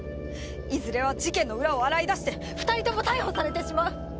いずれは事件の裏を洗い出して２人とも逮捕されてしまう。